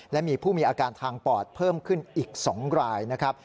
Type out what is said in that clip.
และมีผู้มีอาการทางปอดเพิ่มขึ้นอีก๒รายนะครับ